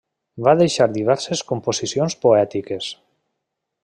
Va deixar diverses composicions poètiques.